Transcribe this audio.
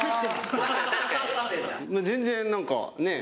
全然何かねっ！